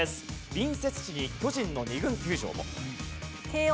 隣接地に巨人の２軍球場も。